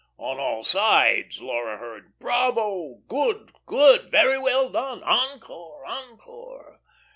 On all sides Laura heard: "Bravo!" "Good, good!" "Very well done!" "Encore! Encore!"